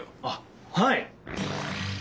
あっはい！